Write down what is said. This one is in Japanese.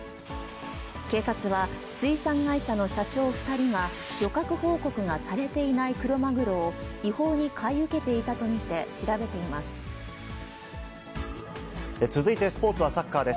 警察は、水産会社の社長２人が、漁獲報告がされていないクロマグロを違法に買い受けていたと見て続いてスポーツはサッカーです。